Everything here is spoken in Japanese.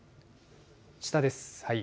下です。